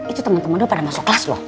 itu temen temen lu pada masuk kelas loh